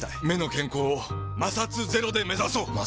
目の健康を摩擦ゼロで目指そう！